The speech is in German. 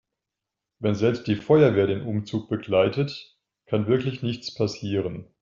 Wenn selbst die Feuerwehr den Umzug begleitet, kann wirklich nichts passieren.